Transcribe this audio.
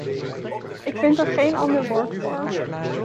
Ik vind er geen ander woord voor.